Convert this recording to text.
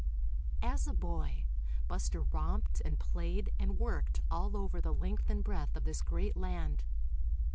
As a boy, Buster romped, and played, and worked all over the length and breadth of this great land.